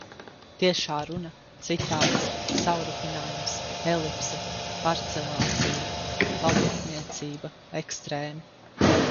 Tiešā runa, citāts, savrupinājums, elipse, parcelācija. Valodniecība. Ekstrēmi.